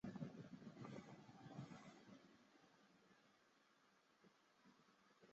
亚祖县伊甸乡间也因龙卷风致使一套移动房屋倒塌。